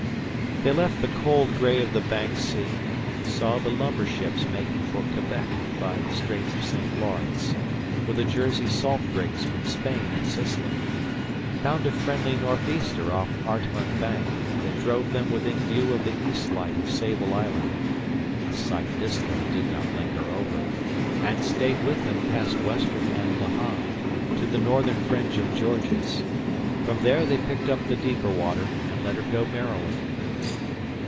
They left the cold gray of the Bank sea, saw the lumber ships making for Quebec by the Straits of St. Lawrence, with the Jersey salt brigs from Spain and Sicily; found a friendly northeaster off Artimon Bank that drove them within view of the East light of Sable Island, a sight Disko did not linger over, and stayed with them past Western and Le Have, to the northern fringe of George's. From there they picked up the deeper water, and let her go merrily.